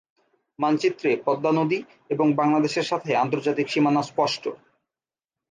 মানচিত্রে পদ্মা নদী এবং বাংলাদেশের সাথে আন্তর্জাতিক সীমানা স্পষ্ট।